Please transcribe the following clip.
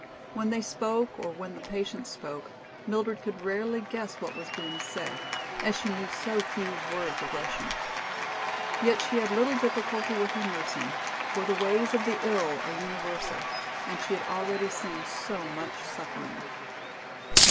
When they spoke or when the patients spoke Mildred could rarely guess what was being said, as she knew so few words of Russian. Yet she had little difficulty with her nursing, for the ways of the ill are universal and she had already seen so much suffering.